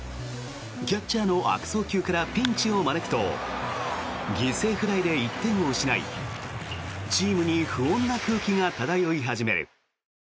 キャッチャーの悪送球からピンチを招くと犠牲フライで１点を失いチームに不穏な空気が漂い始める。